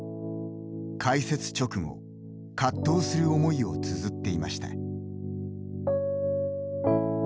開設直後、葛藤する思いをつづっていました。